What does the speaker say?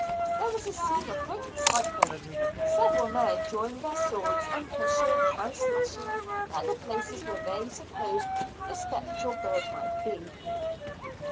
There was a scene of great excitement, several men drawing their swords and pushing and slashing at the places where they supposed the spectral bird might be.